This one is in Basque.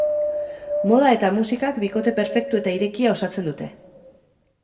Moda eta musikak bikote perfektu eta irekia osatzen dute.